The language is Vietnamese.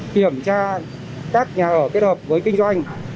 kiểm tra các nhà ở kết hợp với kinh doanh